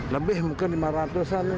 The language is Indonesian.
lebih mungkin lima ratus an